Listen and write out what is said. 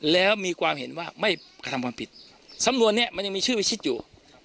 แล้วมีความเห็นว่าไม่กระทำความผิดสำนวนนี้มันยังมีชื่อพิชิตอยู่